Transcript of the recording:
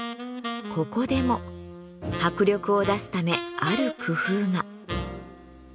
ここでも迫力を出すためある工夫が。